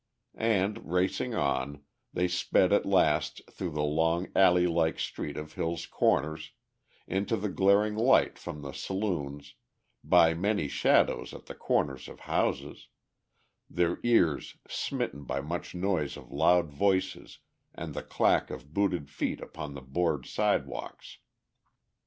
And, racing on, they sped at last through the long alley like street of Hill's Corners, into the glaring light from the saloons, by many shadows at the corners of houses, their ears smitten by much noise of loud voices and the clack of booted feet upon the board sidewalks.